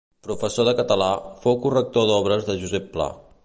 Professor de català, fou corrector d'obres de Josep Pla.